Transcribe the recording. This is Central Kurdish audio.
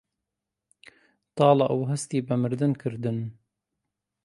تاڵە ئەو هەستی بە مردن کردن